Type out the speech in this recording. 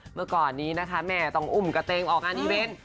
เมื่อก่อนนี้นะคะแม่ต้องอุ้มกระเตงออกงานอีเวนต์